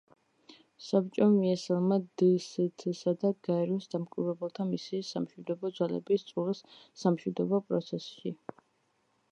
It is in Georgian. საბჭომ მიესალმა დსთ-სა და გაეროს დამკვირვებელთა მისიის სამშვიდობო ძალების წვლილს სამშვიდობო პროცესში.